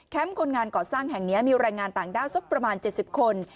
คนงานก่อสร้างแห่งนี้มีแรงงานต่างด้าวสักประมาณ๗๐คน